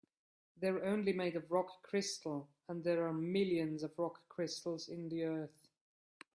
They're only made of rock crystal, and there are millions of rock crystals in the earth.